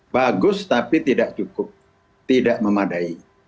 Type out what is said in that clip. bagus tapi tidak cukup tidak memadai